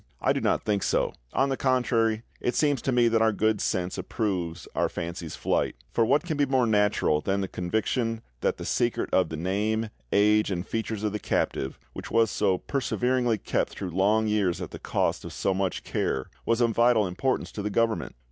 I do not think so; on the contrary, it seems to me that our good sense approves our fancy's flight. For what can be more natural than the conviction that the secret of the name, age, and features of the captive, which was so perseveringly kept through long years at the cost of so much care, was of vital importance to the Government?